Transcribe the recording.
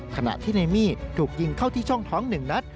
ขณะที่ในมี่ถูกยิงเข้าที่ช่องท้อง๑นัด